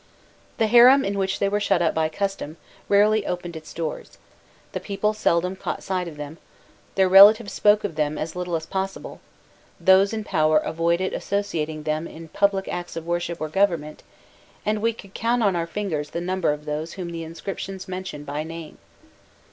The harem in which they were shut up by custom, rarely opened its doors: the people seldom caught sight of them, their relatives spoke of them as little as possible, those in power avoided associating them in any public acts of worship or government, and we could count on our fingers the number of those whom the inscriptions mention by name.